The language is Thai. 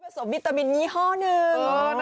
น้ำดื่มผสมวิตามินยี่ห้อหนึ่ง